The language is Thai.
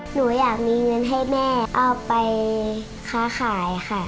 หนูอยากมีเงินให้แม่เอาไปค้าขายค่ะ